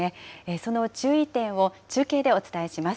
その注意点を中継でお伝えします。